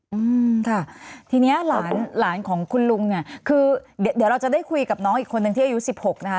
อืมค่ะทีนี้หลานของคุณลุงเนี่ยคือเดี๋ยวเราจะได้คุยกับน้องอีกคนนึงที่อายุ๑๖นะครับ